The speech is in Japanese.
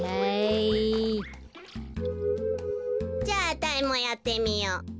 じゃああたいもやってみよう。